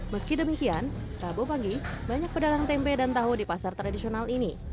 meski demikian rabu pagi banyak pedagang tempe dan tahu di pasar tradisional ini